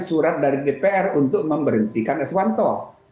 surat dari dpr untuk memberhentikan s wanto